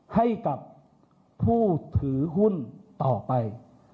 ให้กับผู้ถือหุ้นต่อไป